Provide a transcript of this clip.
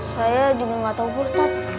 saya juga gak tau pak ustadz